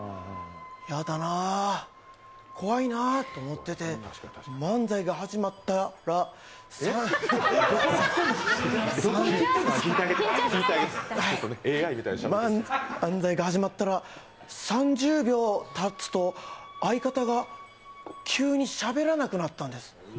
やだなー怖いなーと思ってて漫才が始まった、ら漫才が始まったら３０秒たつと相方が急にしゃべらなくなったんです。